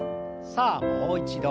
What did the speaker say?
さあもう一度。